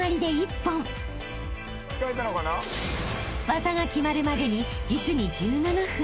［技が決まるまでに実に１７分］